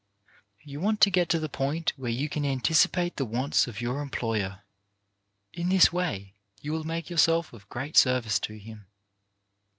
You want to get to the point where you can anticipate the wants of your employer. In this way you will make yourself of great service to him.